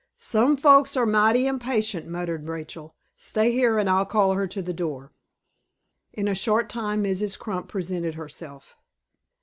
"Some folks are mighty impatient," muttered Rachel. "Stay here, and I'll call her to the door." In a short time Mrs. Crump presented herself.